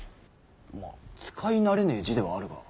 まあ使い慣れねぇ字ではあるが。